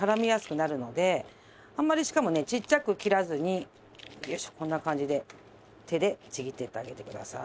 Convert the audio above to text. あんまりしかもねちっちゃく切らずによいしょこんな感じで手でちぎっていってあげてください。